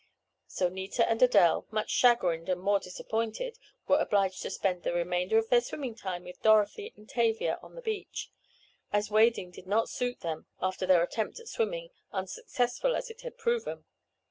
So Nita and Adele, much chagrined and more disappointed, were obliged to spend the remainder of their swimming time with Dorothy and Tavia on the beach, as wading did not suit them after their attempt at swimming, unsuccessful as it had proven.